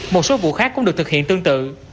một số vụ khác cũng được thực hiện tương tự